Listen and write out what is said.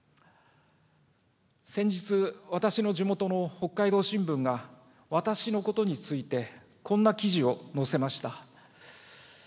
先日、私の地元の北海道新聞が、私のことについて、こんな記事を載せました。